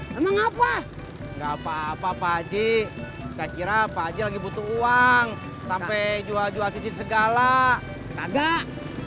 nama ngapa enggak apa apa aja saya kira pake butuh uang sampai jual jua cinta segala enggak